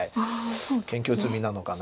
研究済みなのかな。